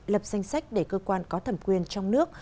lập danh sách để cơ quan có thẩm quyền trong nước